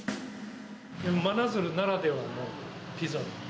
真鶴ならではのピザ。